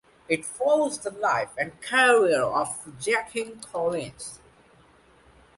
It follows the life and career of Jackie Collins.